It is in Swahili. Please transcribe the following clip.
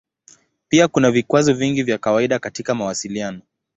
Pia kuna vikwazo vingi vya kawaida katika mawasiliano.